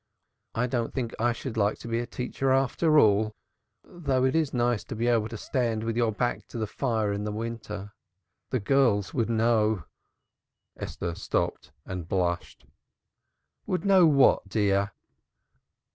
I don't think I should like to be a teacher after all, though it is nice to be able to stand with your back to the fire in the winter. The girls would know '" Esther stopped and blushed. "Would know what, dear?"